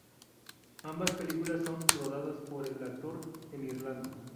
Ambas películas son rodadas por el actor en Irlanda.